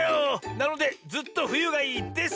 なのでずっとふゆがいいです！